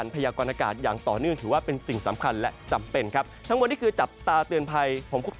โปรดติดตามตอนต่อไป